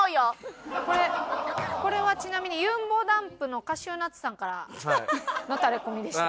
これはちなみにゆんぼだんぷのカシューナッツさんからのタレコミでした。